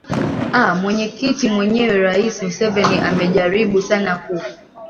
a mwenyekiti mwenyewe rais museveni amejaribu sana kuu